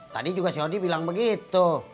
tadi juga si odi bilang begitu